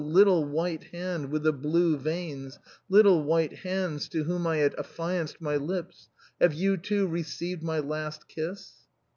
little white hands with the blue veins, little white hands to whom I had affianced my lips, have you too received my last kiss